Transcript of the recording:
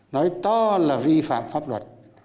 nói to là vi phạm pháp luật